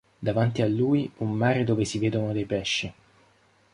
Davanti a lui un mare dove si vedono dei pesci.